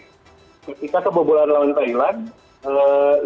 ketika kebobolan lawan thailand